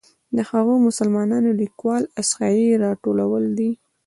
د هغو مسلمانو لیکوالو احصایې راټولول ده.